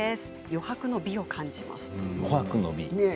余白の美を感じます。